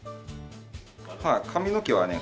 髪の毛はね